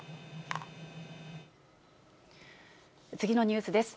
次のニュースです。